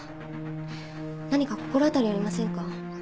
何か心当たりありませんか？